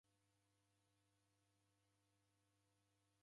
Mada gha mwana ni w'ughanga.